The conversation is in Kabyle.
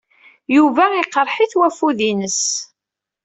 Yuba iqerḥi-t wafud-ines.